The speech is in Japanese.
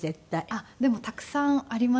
あっでもたくさんありました。